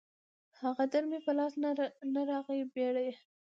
هغه در مې په لاس نه راغی بېړيه